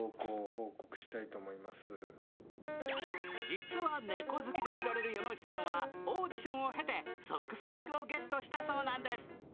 実は猫好きで知られる山内さんはオーディションを経てソックス役をゲットしたそうなんです。